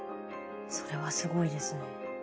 それはすごいですね。